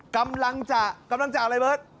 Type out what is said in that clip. กำลังจะกำลังจะอะไรเบิร์ต